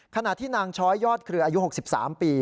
ขณะที่นางช้อยยอดเครืออายุ๖๓ปี